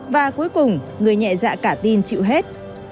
và cuối cùng người nhẹ dạ cả tin chịu hết